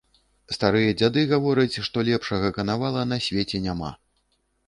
Старыя дзяды гавораць, што лепшага канавала на свеце няма.